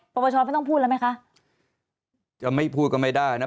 ปปชไม่ต้องพูดแล้วไหมคะจะไม่พูดก็ไม่ได้นะ